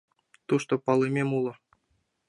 — Тушто палымем уло.